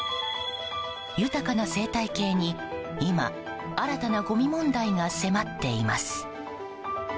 豊かな生態系に今新たなごみ問題が迫っています。